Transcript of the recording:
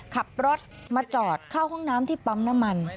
ขับรถมาจอดเข้าห้องน้ำที่ปั๊มน้ำมัน